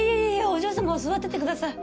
お嬢様は座っててください。